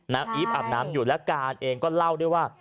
อีฟอาบน้ำอยู่แล้วการเองก็เล่าด้วยว่า